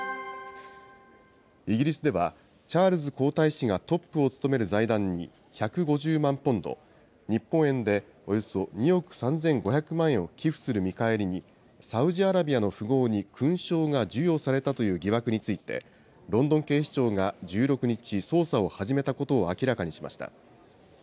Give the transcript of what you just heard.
イギリスでは、チャールズ皇太子がトップを務める財団に１５０万ポンド、日本円でおよそ２億３５００万円を寄付する見返りに、サウジアラビアの富豪に勲章が授与されたという疑惑について、ロンドン警視庁が１６日、捜査を始めたことを明らかにしました。